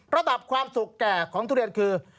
ระดับความสุขแก่ของทุเรียนคือ